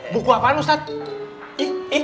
buku apaan ustaz